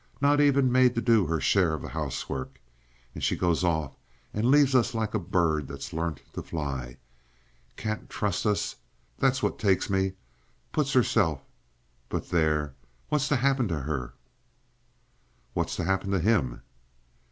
Not even made to do her share of the 'ousework. And she goes off and leaves us like a bird that's learnt to fly. Can't trust us, that's what takes me. Puts 'erself— But there! What's to happen to her?" "What's to happen to him?"